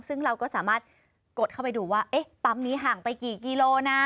ซึ่งเราก็สามารถกดเข้าไปดูว่าเอ๊ะปั๊มนี้ห่างไปกี่กิโลนะ